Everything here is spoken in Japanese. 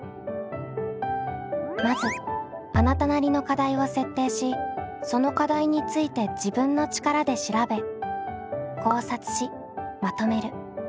まずあなたなりの課題を設定しその課題について自分の力で調べ考察しまとめる。